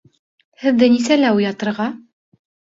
Һеҙҙе нисәлә уятырға?